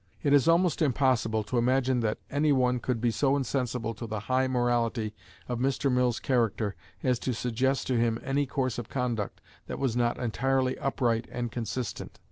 It is almost impossible to imagine that any one could be so insensible to the high morality of Mr. Mill's character as to suggest to him any course of conduct that was not entirely upright and consistent.